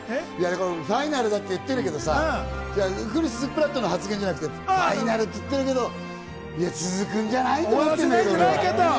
ファイナルだと言ってるけどさ、クリス・プラットの発言じゃなくて、ファイナルって言ってるけど、続くんじゃないと思うんだけど。